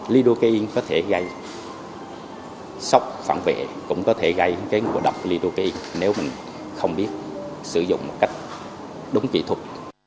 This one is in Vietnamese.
lidocaine có thể gây sốc phản vệ cũng có thể gây ngụa độc lidocaine nếu mình không biết sử dụng một cách đúng kỹ thuật